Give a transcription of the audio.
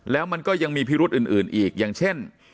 แล้วมันก็ยังมีพิรุธอื่นอีกอย่างเช่น